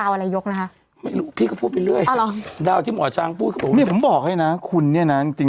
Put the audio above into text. อันนี้หนูว่าไอ้น้ำจะหลบไม่ใช่เหรอ